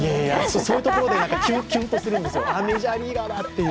そういうところでキュンとするんです、メジャーリーガーだ！っていう。